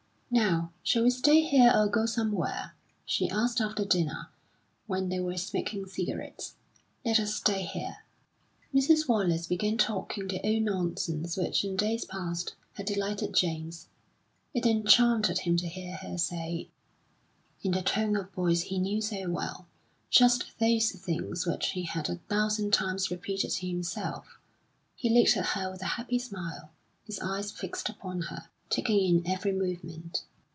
"Now, shall we stay here or go somewhere?" she asked after dinner, when they were smoking cigarettes. "Let us stay here." Mrs. Wallace began talking the old nonsense which, in days past, had delighted James; it enchanted him to hear her say, in the tone of voice he knew so well, just those things which he had a thousand times repeated to himself. He looked at her with a happy smile, his eyes fixed upon her, taking in every movement.